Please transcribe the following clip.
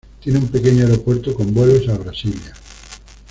Tiene un pequeño aeropuerto con vuelos a Brasilia.